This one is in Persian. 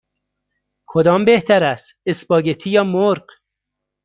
کدام بهتر است: اسپاگتی یا مرغ؟